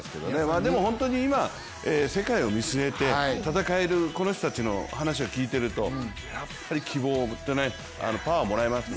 でも、今、世界を見据えて戦えるこの人たちの話を聞いてるとやっぱり希望を持ってね、パワーもらいましたね。